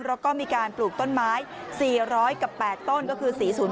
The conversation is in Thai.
แล้วก็มีการปลูกต้นไม้